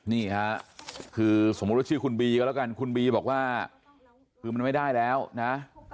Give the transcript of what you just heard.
นี่ค่ะคือสมมุติว่าชื่อคุณบีก็แล้วกันคุณบีบอกว่าคือมันไม่ได้แล้วนะ